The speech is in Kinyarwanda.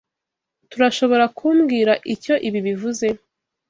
Turashoborakumbwira icyo ibi bivuze?